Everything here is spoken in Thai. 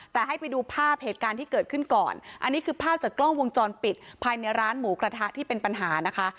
แต่ให้ไปดูภาพเหตุการณ์ที่เกิดขึ้นก่อนอันนี้คือภาพจากกล้องวงจรปิดภายในร้านหมูกระทะที่เป็นปัญหานะคะ